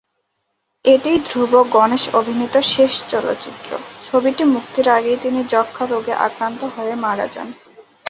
এটিই ধ্রুব গণেশ অভিনীত শেষ চলচ্চিত্র; ছবিটি মুক্তির আগেই তিনি যক্ষা রোগে আক্রান্ত হয়ে মারা যান।